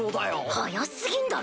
速すぎんだろ。